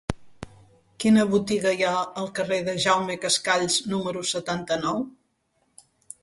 Quina botiga hi ha al carrer de Jaume Cascalls número setanta-nou?